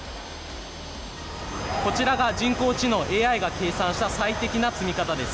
こちらが人工知能・ＡＩが計算した最適な積み方です。